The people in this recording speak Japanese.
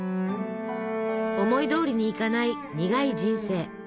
思いどおりにいかない苦い人生。